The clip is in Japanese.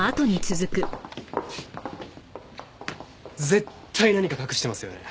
絶対何か隠してますよね。